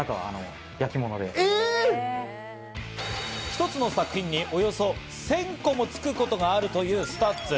一つの作品におよそ１０００個もつくことがあるというスタッズ。